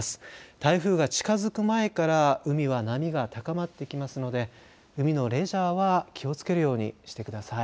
台風が近づく前から海は波が高まってきますので海のレジャーは気をつけるようにしてください。